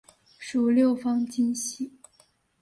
属六方晶系。